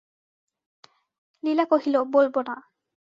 লীলা কহিল, বলব না।